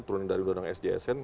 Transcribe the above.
turun dari undang undang sjsn